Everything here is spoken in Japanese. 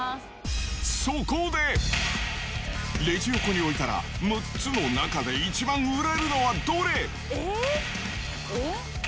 そこで、レジ横に置いたら、６つの中で一番売れるのはどれ。